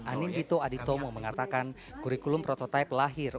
anindito aditomo mengatakan kurikulum prototipe lahir